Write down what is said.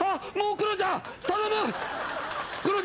クロちゃん頼む。